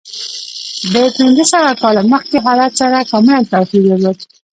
د پنځه سوه کاله مخکې حالت سره کاملا توپیر درلود.